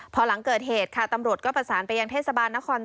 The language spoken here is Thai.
พอหลังเกิดเหตุค่ะตำรวจก็ประสานไปยังเทศบาลนคร